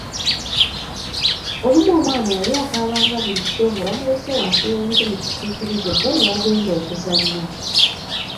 Olumu omwana yali akaaba nga bulijjo, nga bamulese wansi w'omutti mu kisiikirize bbo ne bagenda okuzannya.